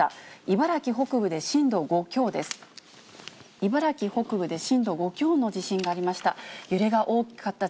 茨城北部で震度５強の地震がありました。